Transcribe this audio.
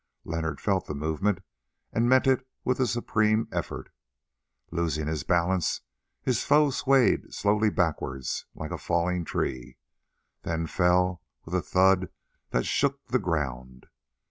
Leonard felt the movement and met it with a supreme effort. Losing his balance, his foe swayed slowly backwards like a falling tree, then fell with a thud that shook the ground.